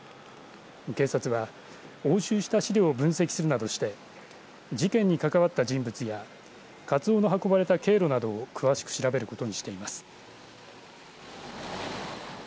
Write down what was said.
警察は押収した資料を分析するなどして事件に関わった人物やカツオの運ばれた経路などを詳しく調べることにしています。